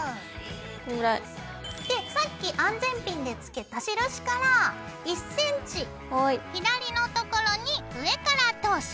でさっき安全ピンでつけた印から１ｃｍ左のところに上から通す。